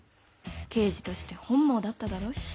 刑事として本望だっただろうし。